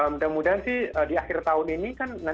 mudah mudahan sih di akhir tahun ini kan